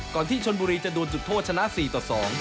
ที่ชนบุรีจะโดนจุดโทษชนะ๔ต่อ๒